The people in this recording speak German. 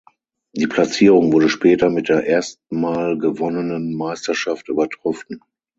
Die Platzierung wurde später mit der erstmal gewonnenen Meisterschaft übertroffen.